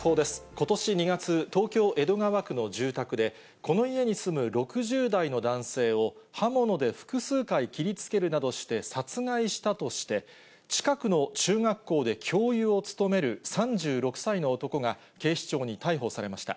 ことし２月、東京・江戸川区の住宅で、この家に住む６０代の男性を刃物で複数回切りつけるなどして殺害したとして、近くの中学校で教諭を務める３６歳の男が警視庁に逮捕されました。